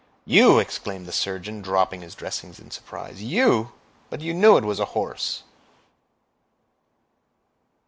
"You!" exclaimed the surgeon, dropping his dressings in surprise, "you! But you knew it was a horse!"